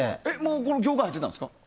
この業界入ってたんですか？